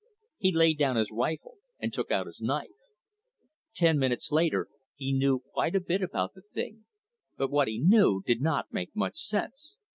He laid down his rifle and took out his knife. Ten minutes later, he knew quite a bit about the thing, but what he knew did not make much sense.